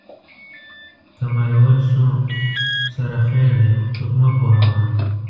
که مرور شو سره خیر دی خو څوک مه پوهوه